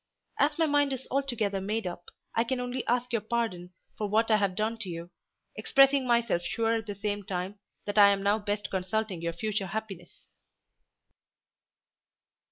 As my mind is altogether made up, I can only ask your pardon for what I have done to you, expressing myself sure at the same time that I am now best consulting your future happiness."